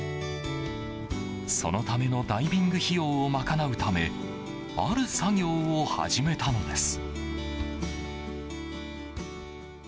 そのためのダイビング費用を賄うためある作業を始めたのです。